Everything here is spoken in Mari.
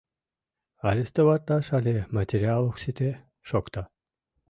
— Арестоватлаш але материал ок сите, — шокта.